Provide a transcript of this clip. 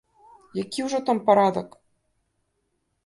Які ўжо там парадак!